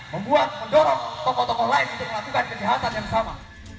membuat mendorong tokoh tokoh lain untuk melakukan kejahatan yang sama